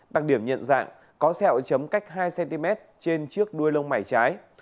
đặc điểm nhận dạng có xeo chấm cách hai cm trên chiếc đuôi lông mảy trái